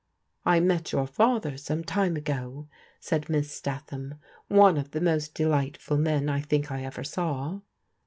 "I met your father some time ago," said Miss Stat ham, ''one of the most delightful men I think I ever saw.